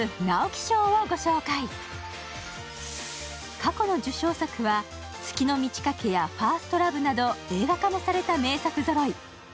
過去の受賞作は「月の満ち欠け」や「ファーストラヴ」など映画化もされた名作ぞろい。